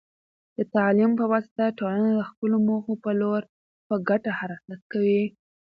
د تعلیم په واسطه، ټولنه د خپلو موخو په لور په ګډه حرکت کوي.